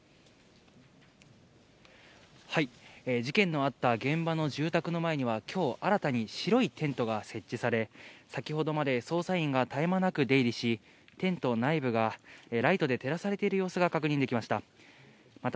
事件のあった現場の住宅の前には、きょう、新たに白いテントが設置され、先ほどまで捜査員が絶え間なく出入りし、テント内部がライトで照らされている様子が確認できました。